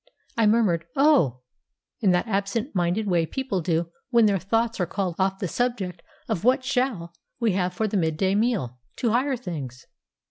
I murmured "Oh!" in that absent minded way people will do when their thoughts are called off the subject of What shall we have for the midday meal? to higher things.